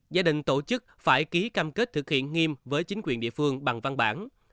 gia đình tổ chức phải ký cam kết thực hiện nghiêm với chính quyền địa phương bằng văn bản